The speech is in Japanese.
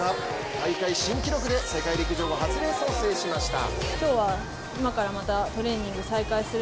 大会新記録で世界陸上後初レースを制しました。